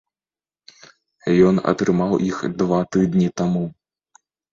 Ён атрымаў іх два тыдні таму.